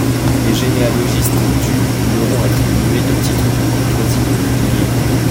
Les généalogistes du leur ont attribué des titres de courtoisie irréguliers.